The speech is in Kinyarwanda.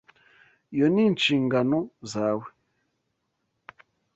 Iyo ni inshingano zawe.